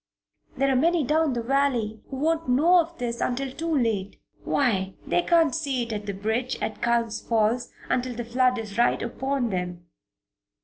There are many down the valley who won't know of this until too late. Why, they can't see it at the bridge at Culm Falls until the flood is right upon them."